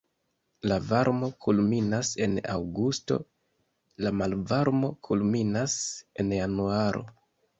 La varmo kulminas en aŭgusto, la malvarmo kulminas en januaro.